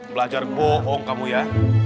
belajar bohong kamu ya